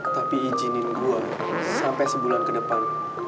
tapi izinin gue sampe sebulan kedepan